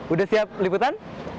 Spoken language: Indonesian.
udah siap liputan